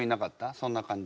そんな感じ。